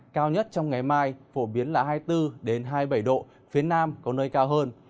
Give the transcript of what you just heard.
cao nhất trong ngày mai phổ biến là hai mươi bốn hai mươi bảy độ phía nam có nơi cao hơn